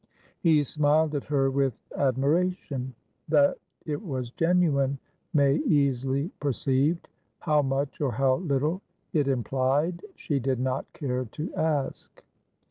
He smiled at her with admiration. That it was genuine, May easily perceived; how much, or how little, it implied, she did not care to ask.